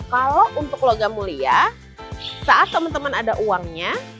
kalau untuk logam mulia saat teman teman ada uangnya